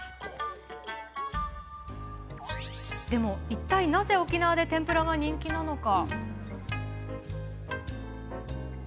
でも、いったいなぜ沖縄で天ぷらが人気なのか。